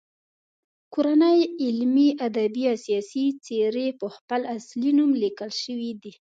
کورنۍ علمي، ادبي او سیاسي څیرې په خپل اصلي نوم لیکل شوي دي.